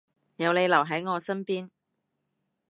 有你留喺我身邊